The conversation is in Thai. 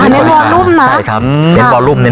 อ๋อเน้นวอลลูมน่ะ